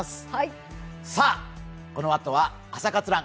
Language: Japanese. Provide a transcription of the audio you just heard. このあとは「朝活ＲＵＮ」。